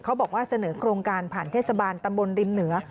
เขาบอกว่าเสนอโครงการผ่านเทศบาลตำบลริมเหนือ